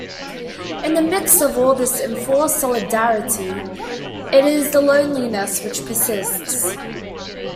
In the midst of all this enforced solidarity, it is the loneliness which persists.